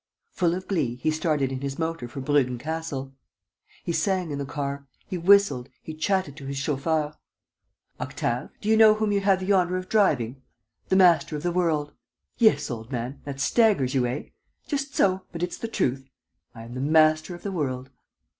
Full of glee, he started in his motor for Bruggen Castle. He sang in the car, he whistled, he chatted to his chauffeur: "Octave, do you know whom you have the honor of driving? The master of the world! ... Yes, old man, that staggers you, eh? Just so, but it's the truth. I am the master of the world."